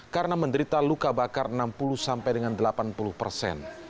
karena menderita luka bakar enam puluh sampai dengan delapan puluh persen